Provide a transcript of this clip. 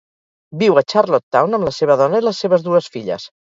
Viu a Charlottetown amb la seva dona i les seves dues filles.